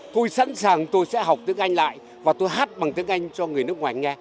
tôi sẵn sàng tôi sẽ học tiếng anh lại và tôi hát bằng tiếng anh cho người nước ngoài nghe